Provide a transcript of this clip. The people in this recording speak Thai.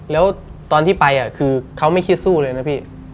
แล้วตอนที่ไปคือเขาไม่คิดสู้เลยนะพี่